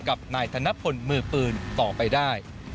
กับนายธนพลมือปืนต่อไปได้